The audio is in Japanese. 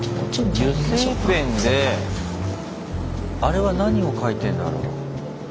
油性ペンであれは何を書いてんだろう？